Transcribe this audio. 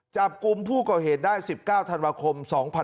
จับกลุ่มผู้ก่อเหตุได้๑๙ธันวาคม๒๕๖๒